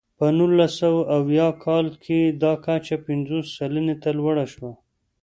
په نولس سوه اویا کال کې دا کچه پنځوس سلنې ته لوړه شوه.